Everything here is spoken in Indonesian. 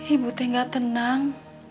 ibu tengah tenang